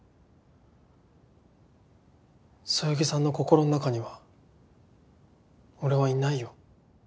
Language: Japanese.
そよぎさんの心の中には俺はいないよ。